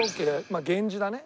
あ源氏だね。